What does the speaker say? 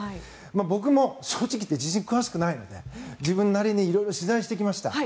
僕も正直言って地震、詳しくないので自分なりに色々取材してきました。